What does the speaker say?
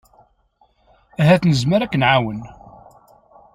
Ahat nezmer ad k-nɛawen.